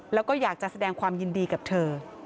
แล้วก็อยากจะแสดงความยินดีกับเธอ